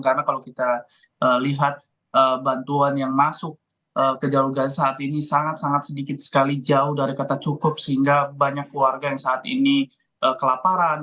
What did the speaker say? karena kalau kita lihat bantuan yang masuk ke jalur gaza saat ini sangat sangat sedikit sekali jauh dari kata cukup sehingga banyak warga yang saat ini kelaparan